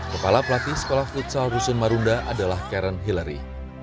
kepala pelatih sekolah futsal rusun marunda adalah karen hillary